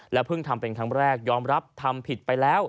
เพิ่งทำเป็นครั้งแรกยอมรับทำผิดไปแล้ว